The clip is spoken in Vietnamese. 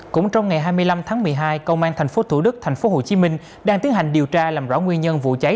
cũng trong ngày hai mươi năm tháng một mươi hai công an thành phố thủ đức thành phố hồ chí minh đang tiến hành điều tra làm rõ nguyên nhân vụ cháy